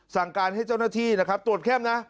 สั่งการให้เจ้าหน้าที่ตรวจแค่ม